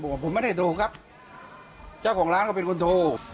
บอกผมไม่ได้โทรครับเจ้าของร้านก็เป็นคนโทร